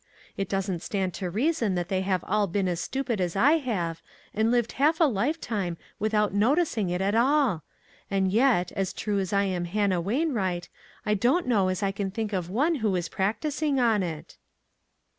It doesn't stand to reason that they have all been as stupid as I have, and lived half a lifetime without noticing it at all ; and yet, as true as I am Hannah Wainwright, I don't know as I can think of one who is practising on it."